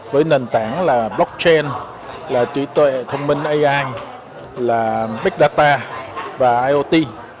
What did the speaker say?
với nền tảng là blockchain là trí tuệ thông minh ai là big data và iot